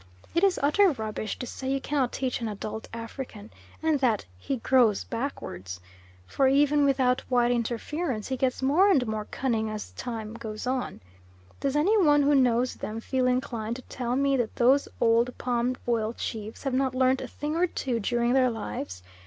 It is utter rubbish to say "You cannot teach an adult African," and that "he grows backwards"; for even without white interference he gets more and more cunning as the time goes on. Does any one who knows them feel inclined to tell me that those old palm oil chiefs have not learnt a thing or two during their lives?